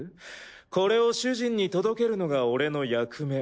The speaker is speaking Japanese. これを主人に届けるのが俺の役目。